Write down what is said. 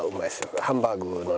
ハンバーグのね